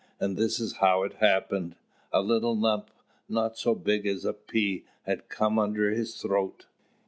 And this is how it happened: a little lump, not so big as a pea, had come under his throat.